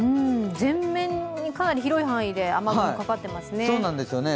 全面に、かなり広い範囲で雨雲がかかっていますね。